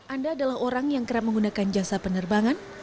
anda adalah orang yang kerap menggunakan jasa penerbangan